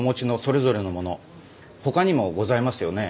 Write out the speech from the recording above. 他にもございますよね。